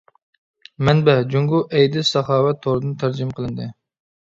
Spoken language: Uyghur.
مەنبە: جۇڭگو ئەيدىز ساخاۋەت تورىدىن تەرجىمە قىلىندى.